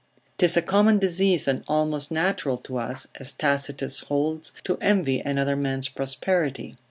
'Tis a common disease, and almost natural to us, as Tacitus holds, to envy another man's prosperity.